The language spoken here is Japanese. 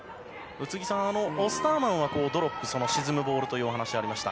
宇津木さん、オスターマンはドロップ沈むボールというお話ありました。